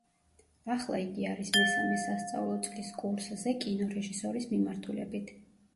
ახლა იგი არის მესამე სასწავლო წლის კურსზე, კინორეჟისორის მიმართულებით.